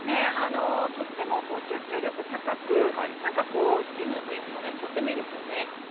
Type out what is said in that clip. とても集中力高くチームの雰囲気もとてもいいですよね。